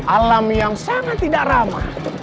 alam yang sangat tidak ramah